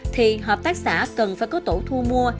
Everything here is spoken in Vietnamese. thì hợp tác xã cần phải có tổ thu mua